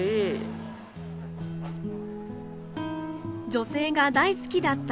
女性が大好きだった